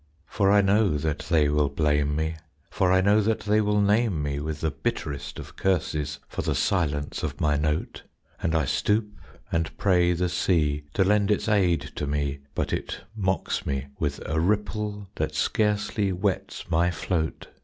For I know that they will blame me; For I know that they will name me With the bitterest of curses For the silence of my note, And I stoop and pray the sea To lend its aid to me; But it mocks me with a ripple That scarcely wets my float.